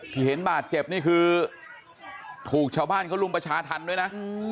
เห็นบาดเจ็บนี่คือถูกชาวบ้านเขารุมประชาธรรมด้วยนะ